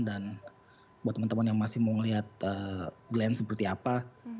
dan buat teman teman yang masih mau lihat glenn seperti apa